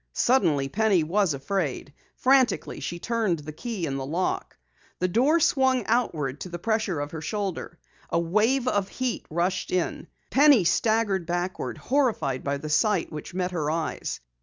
Suddenly Penny was afraid. Frantically she turned the key in the lock. The door swung outward to the pressure of her shoulder. A wave of heat rushed in. Penny staggered backward, horrified by the sight which met her eyes.